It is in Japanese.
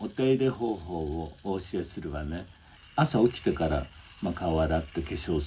「朝起きてから顔洗って化粧水